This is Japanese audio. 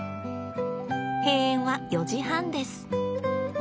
閉園は４時半です。